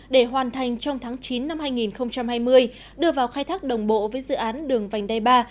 để hoàn thành trong tháng chín năm hai nghìn hai mươi đưa vào khai thác đồng bộ với dự án đường vành đai ba